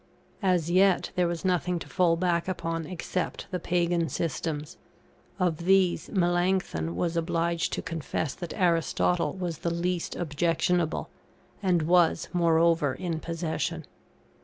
As yet there was nothing to fall back upon except the pagan systems. Of these, Melancthon was obliged to confess that Aristotle was the least objectionable, and was, moreover, in possession.